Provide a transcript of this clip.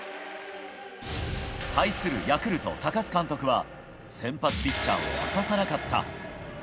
対するヤクルト、高津監督は先発ピッチャーを明かさなかった。